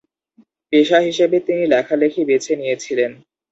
পেশা হিসেবে তিনি লেখালেখি বেছে নিয়েছিলেন।